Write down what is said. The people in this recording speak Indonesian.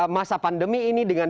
masa pandemi ini dengan